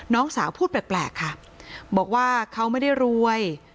น้องสาวพูดแปลกค่ะบอกว่าเขาไม่ได้รวย